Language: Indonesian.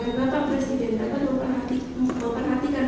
agar bapak presiden dapat memperhatikan